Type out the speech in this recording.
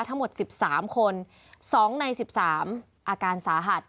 ทั้งหมด๑๓คน๒ใน๑๓อาการสาหัส